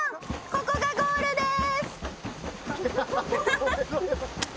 ここがゴールです。